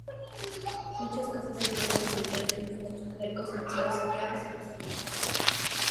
Muchas casas, iglesias, cementerios, edificios públicos han sido saqueados y destruidos.